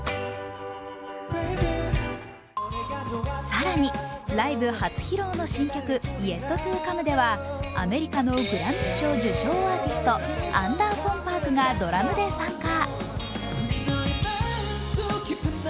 更に、ライブ初披露の新曲「ＹｅｔＴｏＣｏｍｅ」ではアメリカのグラミー賞受賞アーティストアンダーソン・パークがドラムで参加。